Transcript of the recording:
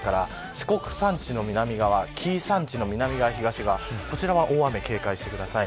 四国山地の南側、紀伊山地の南側東側、大雨に警戒してください。